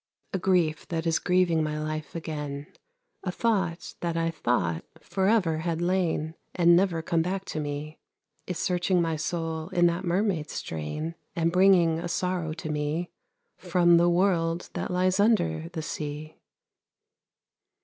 A grief that is grieving my life again, A thought that I thought, forever had lain, And never come back to me, Is searching my soul in that mermaid's strain And bringing a sorrow to me From the world that lies under the sea.